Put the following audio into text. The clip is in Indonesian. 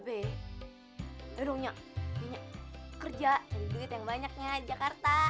kerja cari duit yang banyaknya di jakarta